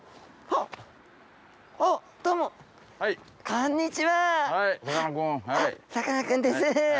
あっさかなクンです。